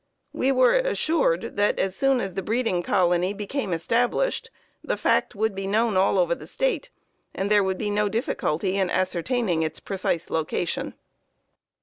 "We were assured that as soon as the breeding colony became established the fact would be known all over the State, and there would be no difficulty in ascertaining its precise location.